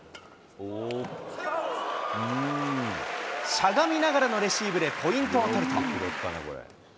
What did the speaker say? しゃがみながらのレシーブでポイントを取ると。